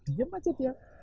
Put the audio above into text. diem aja dia